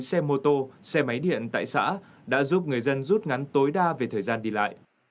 xe mô tô xe máy điện tại xã đã giúp người dân rút ngắn tối đa về thời gian đi lại